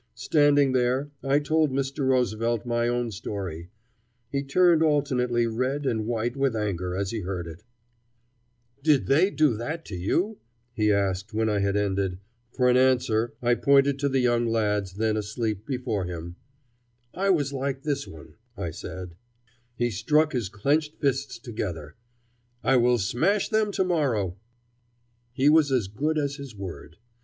Standing there, I told Mr. Roosevelt my own story. He turned alternately red and white with anger as he heard it. [Illustration: The Church Street Station Lodging room in which I was robbed] "Did they do that to you?" he asked when I had ended. For an answer I pointed to the young lads then asleep before him. "I was like this one," I said. He struck his clenched fists together. "I will smash them to morrow." He was as good as his word.